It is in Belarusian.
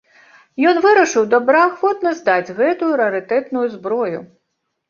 Ён вырашыў добраахвотна здаць гэтую рарытэтную зброю.